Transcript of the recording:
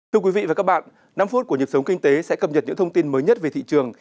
thưa quý vị và các bạn năm phút của nhịp sống kinh tế sẽ cập nhật những thông tin mới nhất về thị trường